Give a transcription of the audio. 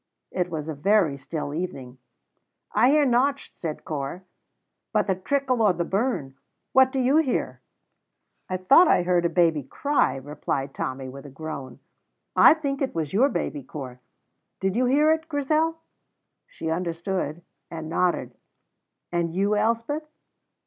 It was a very still evening. "I hear nocht," said Corp, "but the trickle o' the burn. What did you hear?" "I thought I heard a baby cry," replied Tommy, with a groan. "I think it was your baby, Corp. Did you hear it, Grizel?" She understood, and nodded. "And you, Elspeth?"